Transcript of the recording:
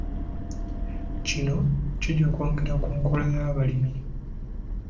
Kino kijja kwongera ku nkola y'abalimi.